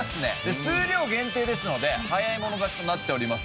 数量限定ですので早い者勝ちとなっております。